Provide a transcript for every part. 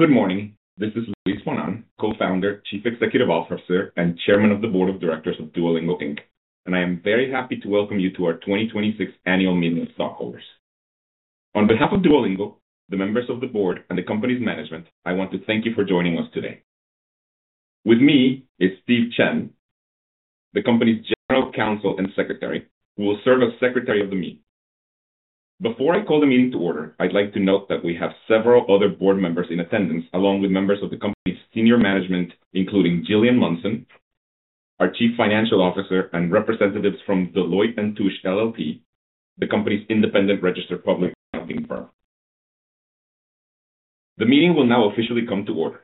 Good morning. This is Luis von Ahn, Co-Founder, Chief Executive Officer, and Chairman of the Board of directors of Duolingo, Inc. I am very happy to welcome you to our 2026 annual meeting of stockholders. On behalf of Duolingo, the members of the board, and the company's management, I want to thank you for joining us today. With me is Stephen Chen, the company's general counsel and secretary, who will serve as secretary of the meeting. Before I call the meeting to order, I'd like to note that we have several other board members in attendance, along with members of the company's senior management, including Gillian Munson, our chief financial officer, and representatives from Deloitte & Touche LLP, the company's independent registered public accounting firm. The meeting will now officially come to order.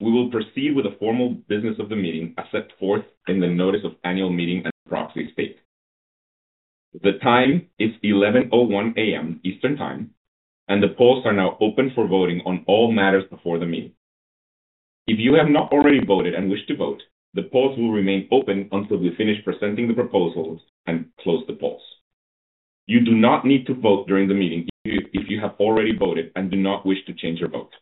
We will proceed with the formal business of the meeting as set forth in the notice of annual meeting and the proxy statement. The time is 11:01 A.M. Eastern Time, and the polls are now open for voting on all matters before the meeting. If you have not already voted and wish to vote, the polls will remain open until we finish presenting the proposals and close the polls. You do not need to vote during the meeting if you have already voted and do not wish to change your vote.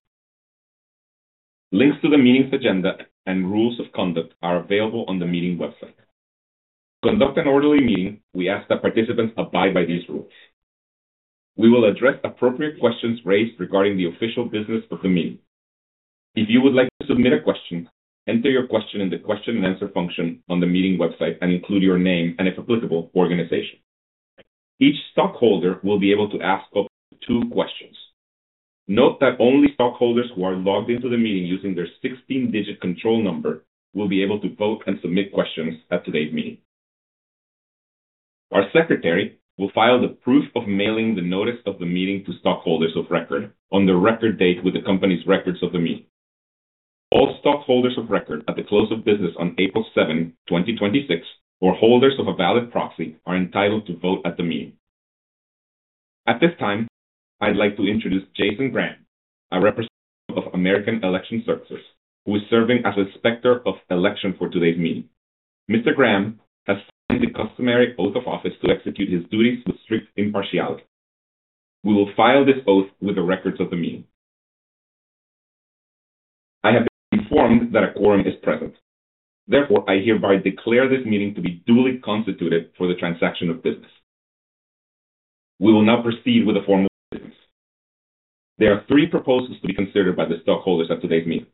Links to the meeting's agenda and rules of conduct are available on the meeting website. To conduct an orderly meeting, we ask that participants abide by these rules. We will address appropriate questions raised regarding the official business of the meeting. If you would like to submit a question, enter your question in the question and answer function on the meeting website and include your name and, if applicable, organization. Each stockholder will be able to ask up to two questions. Note that only stockholders who are logged into the meeting using their 16-digit control number will be able to vote and submit questions at today's meeting. Our secretary will file the proof of mailing the notice of the meeting to stockholders of record on the record date with the company's records of the meeting. All stockholders of record at the close of business on April seventh, 2026, or holders of a valid proxy are entitled to vote at the meeting. At this time, I'd like to introduce Jason P., a representative of American Election Services, who is serving as Inspector of Election for today's meeting. Mr. Graham has signed the customary oath of office to execute his duties with strict impartiality. We will file this oath with the records of the meeting. I have been informed that a quorum is present. Therefore, I hereby declare this meeting to be duly constituted for the transaction of business. We will now proceed with the formal business. There are three proposals to be considered by the stockholders at today's meeting.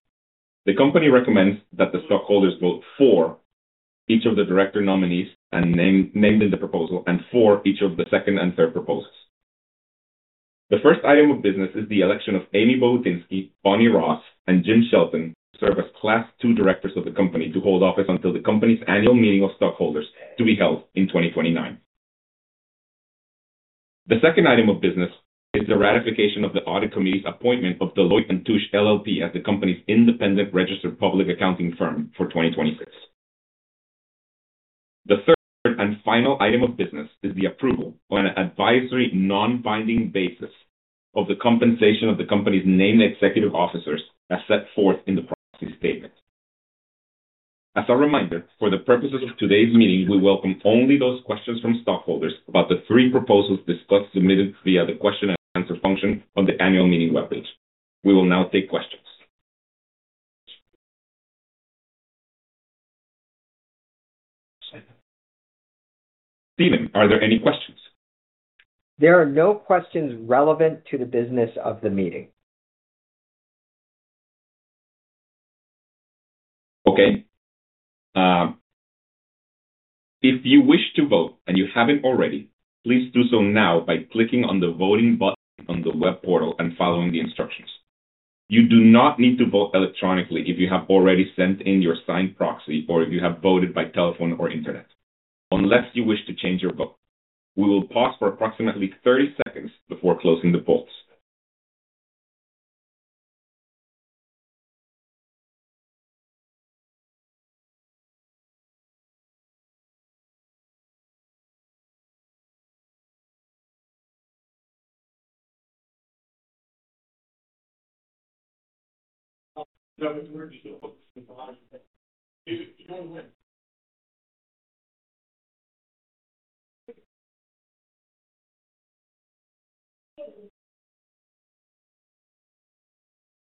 The company recommends that the stockholders vote for each of the director nominees named in the proposal and for each of the second and third proposals. The first item of business is the election of Amy Bohutinsky, Bonnie Ross, and Jim Shelton to serve as Class 2 directors of the company to hold office until the company's annual meeting of stockholders to be held in 2029. The second item of business is the ratification of the audit committee's appointment of Deloitte & Touche LLP as the company's independent registered public accounting firm for 2026. The third and final item of business is the approval on an advisory, non-binding basis of the compensation of the company's named executive officers as set forth in the proxy statement. As a reminder, for the purposes of today's meeting, we welcome only those questions from stockholders about the three proposals discussed submitted via the question and answer function on the annual meeting webpage. We will now take questions. Stephen, are there any questions? There are no questions relevant to the business of the meeting. Okay. If you wish to vote and you haven't already, please do so now by clicking on the Voting button on the web portal and following the instructions. You do not need to vote electronically if you have already sent in your signed proxy or if you have voted by telephone or internet, unless you wish to change your vote. We will pause for approximately 30 seconds before closing the polls.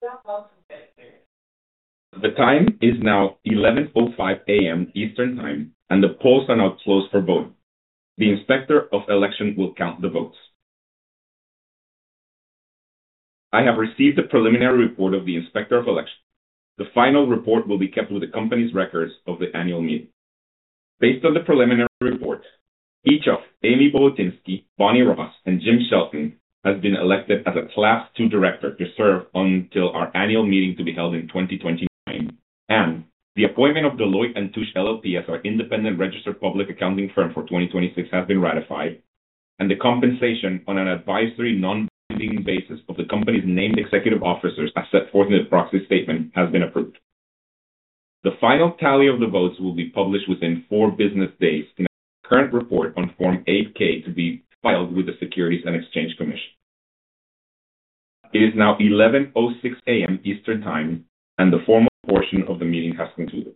The time is now 11:05 A.M. Eastern Time, and the polls are now closed for voting. The Inspector of Election will count the votes. I have received the preliminary report of the Inspector of Election. The final report will be kept with the company's records of the annual meeting. Based on the preliminary report, each of Amy Bohutinsky, Bonnie Ross, and Jim Shelton has been elected as a Class 2 director to serve until our annual meeting to be held in 2029, and the appointment of Deloitte & Touche LLP as our independent registered public accounting firm for 2026 has been ratified, and the compensation on an advisory, non-binding basis of the company's named executive officers, as set forth in the proxy statement, has been approved. The final tally of the votes will be published within four business days in our current report on Form 8-K to be filed with the Securities and Exchange Commission. It is now 11:06 A.M. Eastern Time, and the formal portion of the meeting has concluded.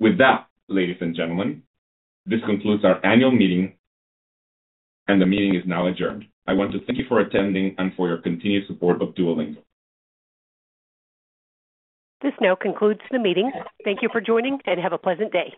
With that, ladies and gentlemen, this concludes our annual meeting, and the meeting is now adjourned. I want to thank you for attending and for your continued support of Duolingo. This now concludes the meeting. Thank you for joining, and have a pleasant day.